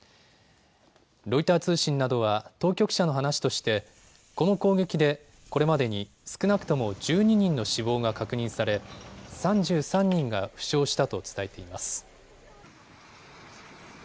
ロイター通信などは当局者の話としてこの攻撃でこれまでに少なくとも１２人の死亡が確認され３３人が負傷したと伝えています。